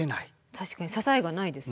確かに支えがないですね。